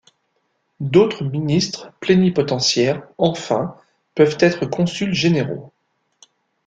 D'autres ministres plénipotentiaires, enfin, peuvent être consuls généraux.